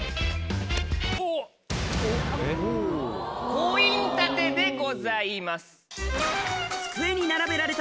「コイン立て」でございます。